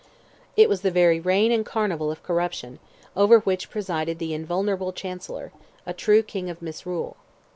It was the very reign and carnival of corruption, over which presided the invulnerable Chancellor—a true "King of Misrule."